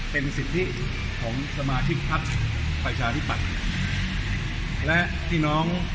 เป็นสิทธิของสมาชิกพักฝรรภัยภัรภัทรและที่น้อง